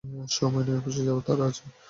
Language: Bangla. সময় নেই, অফিসে যাওয়ার তাড়া আছে।